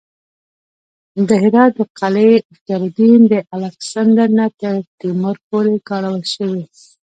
د هرات د قلعه اختیارالدین د الکسندر نه تر تیمور پورې کارول شوې